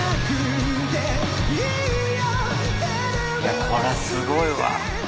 いやこれはすごいわ。